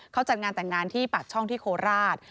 เขาจัดงานแต่งงานที่ปากช่องที่โคราช